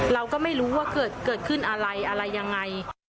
เราก็ไม่รู้ว่าเกิดขึ้นอะไรอะไรยังไง